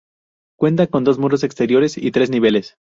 Cuenta con dos muros exteriores y tres niveles.